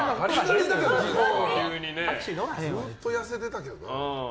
ずっと痩せてたけどな。